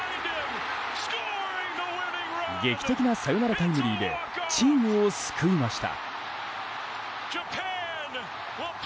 劇的なサヨナラタイムリーでチームを救いました。